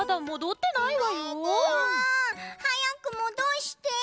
あはやくもどして。